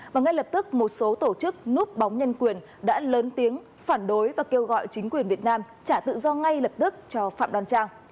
và ngay lập tức một số tổ chức núp bóng nhân quyền đã lớn tiếng phản đối và kêu gọi chính quyền việt nam trả tự do ngay lập tức cho phạm đoan trang